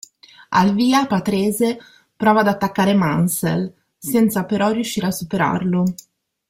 Al via Patrese prova ad attaccare Mansell, senza però riuscire a superarlo.